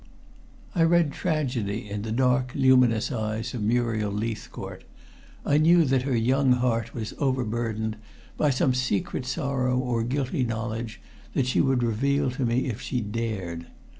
I read tragedy in the dark luminous eyes of Muriel Leithcourt. I knew that her young heart was over burdened by some secret sorrow or guilty knowledge that she would reveal to me if she dared.